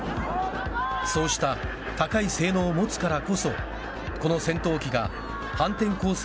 そうした高い性能を持つからこそこの戦闘機が反転攻勢